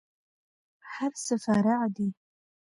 هرڅه فرع دي.